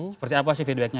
seperti apa sih feedbacknya